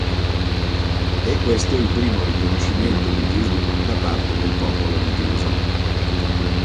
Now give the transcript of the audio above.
E' questo il primo riconoscimento di Gesù da parte del popolo di Gerusalemme.